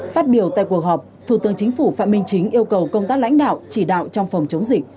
phát biểu tại cuộc họp thủ tướng chính phủ phạm minh chính yêu cầu công tác lãnh đạo chỉ đạo trong phòng chống dịch